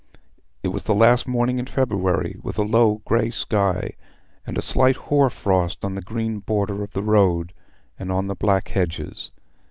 It was the last morning in February, with a low grey sky, and a slight hoar frost on the green border of the road and on the black hedges.